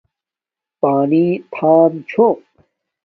پانی تھام چھوم